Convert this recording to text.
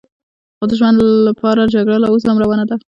خو د ژوند لپاره جګړه لا اوس هم روانه ده.